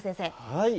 はい。